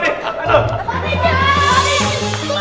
aduh kepala saya